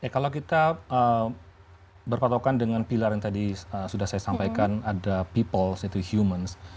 kalau kita berpatokan dengan pilar yang tadi sudah saya sampaikan ada peoples yaitu humans